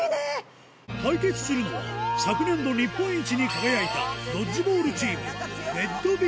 対決するのは昨年度日本一に輝いたドッジボールチームＲｅｄＶｉｃｔｏｒｙ